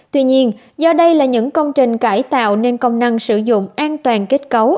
tuy nhiên do đây là những công trình cải tạo nên công năng sử dụng an toàn kết cấu